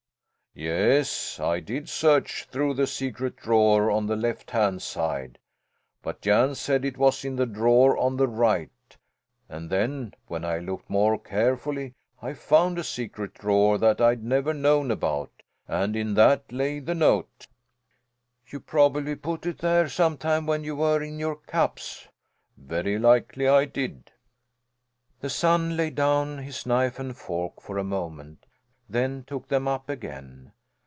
"Yes, I did search through the secret drawer on the left hand side. But Jan said it was in the drawer on the right, and then, when I looked more carefully, I found a secret drawer that I'd never known about; and in that lay the note." "You probably put it there some time when you were in your cups." "Very likely I did." The son laid down his knife and fork for a moment, then took them up again.